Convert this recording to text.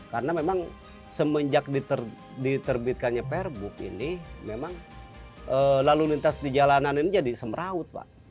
karena memang semenjak diterbitkannya perbuk ini memang lalu lintas di jalanan ini jadi semberaut pak